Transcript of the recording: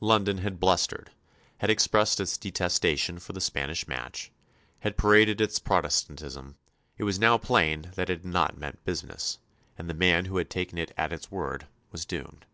London had blustered, had expressed its detestation for the Spanish match, had paraded its Protestantism; it was now plain that it had not meant business, and the man who had taken it at its word was doomed.